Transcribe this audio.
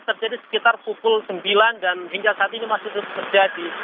terjadi sekitar pukul sembilan dan hingga saat ini masih terus terjadi